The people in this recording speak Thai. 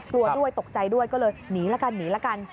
กลัวด้วยตกใจด้วยก็เลยหนีละกันหนีละกัน